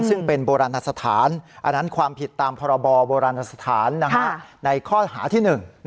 ซึ่งเป็นโบราณสถานอันนั้นความผิดตามพรบโบราณสถานในข้อหาที่๑